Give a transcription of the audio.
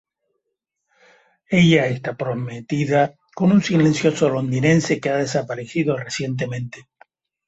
Ella está prometida con un silencioso londinense que ha desaparecido recientemente.